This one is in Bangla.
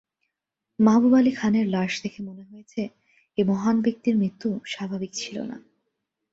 মাহবুব আলী খানের লাশ দেখে মনে হয়েছে এ মহান ব্যক্তির মৃত্যু স্বাভাবিক ছিল না।